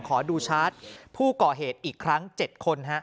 ขอดูชาร์จผู้ก่อเหตุอีกครั้ง๗คน